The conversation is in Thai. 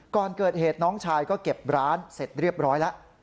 ก่อนเกิดเหตุน้องชายก็เก็บร้านเสร็จเรียบร้อยแล้ว